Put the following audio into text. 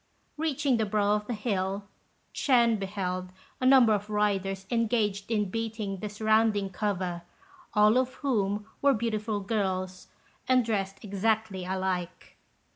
Reaching the brow of the hill, Ch'ên beheld a number of riders engaged in beating the surrounding cover, all of whom were beautiful girls and dressed exactly alike.